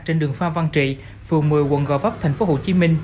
trên đường phan văn trị phường một mươi quận gò vấp tp hcm